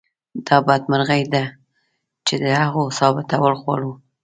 دا بدمرغي ده چې د هغو ثابتول غواړو.